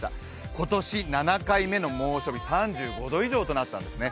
今年７回目の猛暑日、３５度以上となったんですね。